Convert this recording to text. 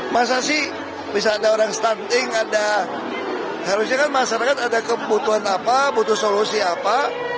masa sih bisa ada orang stunting ada harusnya kan masyarakat ada kebutuhan apa butuh solusi apa